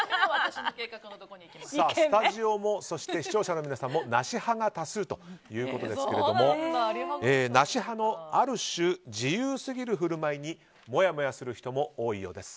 スタジオも視聴者の皆さんもなし派が多数ということですがなし派のある種自由すぎる振る舞いにもやもやする人も多いようです。